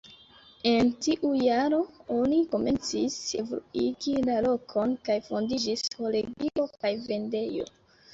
En tiu jaro oni komencis evoluigi la lokon, kaj fondiĝis kolegio kaj vendejo.